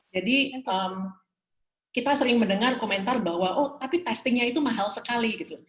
kita sering mendengar komentar bahwa oh tapi testingnya itu mahal sekali gitu